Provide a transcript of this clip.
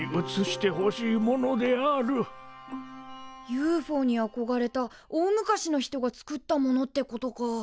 ＵＦＯにあこがれた大昔の人が作ったものってことかあ。